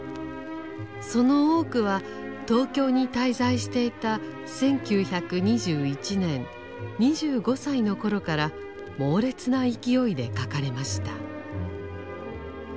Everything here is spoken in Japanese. その多くは東京に滞在していた１９２１年２５歳の頃から猛烈な勢いで書かれました。